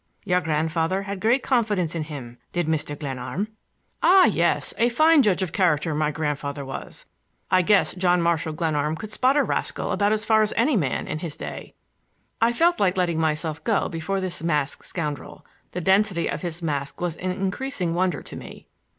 Your grandfather had great confidence in him, did Mr. Glenarm." "Ah, yes! A fine judge of character my grandfather was! I guess John Marshall Glenarm could spot a rascal about as far as any man in his day." I felt like letting myself go before this masked scoundrel. The density of his mask was an increasing wonder to me.